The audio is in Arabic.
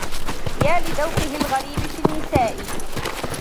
يا لذوقه الغريب في النّساء.